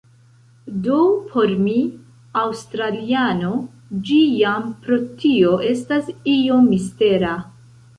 Do por mi, aŭstraliano, ĝi jam pro tio estas iom mistera.